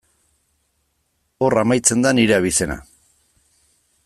Hor amaitzen da nire abizena.